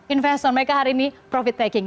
investor mereka hari ini profit taking